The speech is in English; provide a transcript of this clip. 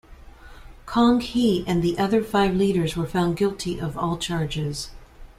Kong Hee and the other five leaders were found guilty of all charges.